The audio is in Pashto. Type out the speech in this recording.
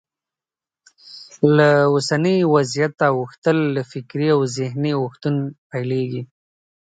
له اوسني وضعیته اوښتل له فکري او ذهني اوښتون پیلېږي.